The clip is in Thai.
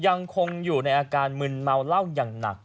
ยังคงอยู่ในอาการมึนเมาเหล้าอย่างหนัก